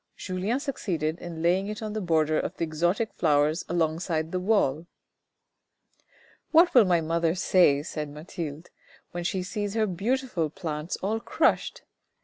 Julien succeeded in laying it on the border of the exotic flowers along side the wall. " What will my mother say," said Mathilde, " when she sees her beautiful plants all crushed